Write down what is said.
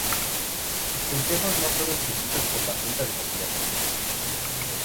Sus consejos no fueron seguidos por la Junta de Gobierno.